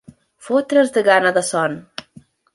Fotre's de gana, de son.